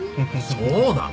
そうなの！？